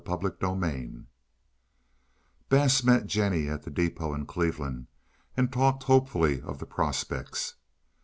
CHAPTER XIII Bass met Jennie at the depôt in Cleveland and talked hopefully of the prospects.